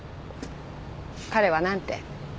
彼は何て？